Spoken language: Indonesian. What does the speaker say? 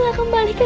siapa sih itu